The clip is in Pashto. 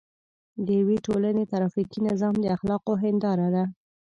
د یوې ټولنې ټرافیکي نظام د اخلاقو هنداره ده.